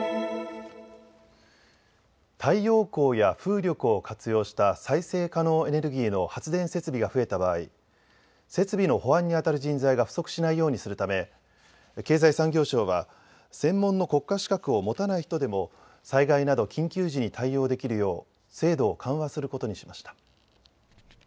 太陽光や風力を活用した再生可能エネルギーの発電設備が増えた場合、設備の保安にあたる人材が不足しないようにするため経済産業省は専門の国家資格を持たない人でも災害など緊急時に対応できるよう制度を緩和することにしました。